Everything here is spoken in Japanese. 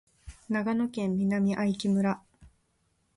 長野県南相木村